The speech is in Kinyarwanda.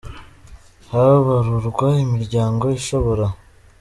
habarurwa imiryango ishobora.